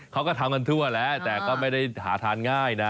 เขาก็ทำกันทั่วแล้วแต่ก็ไม่ได้หาทานง่ายนะ